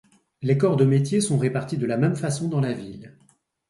Les corps de métier sont répartis de la même façon dans la ville.